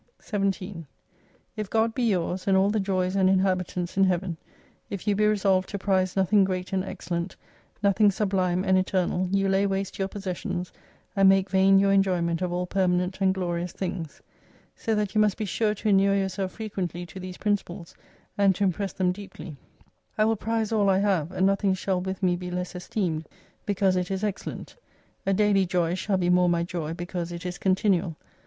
' 17 If God be yours, and all the joys and inhabitants in Heaven,; If you be resolved to prize nothing great and excellent, nothing sublime and eternal, you lay waste your possessions, and make vain your enjoyment of all permanent and glorious things. So that you must be sure to inure yourself frequently to these principles and to impress them deeply ;/ will prize all I have, and nothing shall with me be less esteemed, because it is excellent. A daily joy shall be more my wy, because it is continual.